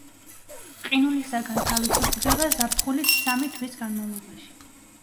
ყინულისაგან თავისუფლდება ზაფხულის სამი თვის განმავლობაში.